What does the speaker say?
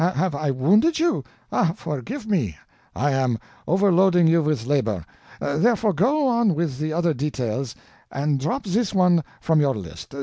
Have I wounded you? Ah, forgive me; I am overloading you with labor. Therefore go on with the other details, and drop this one from your list.